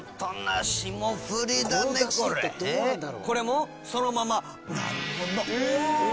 これもそのまま？